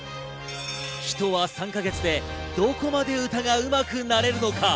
人は３か月でどこまで歌がうまくなれるのか？